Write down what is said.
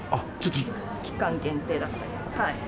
期間限定だったり。